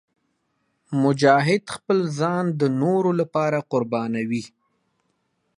مجاهد خپل ځان د نورو لپاره قربانوي.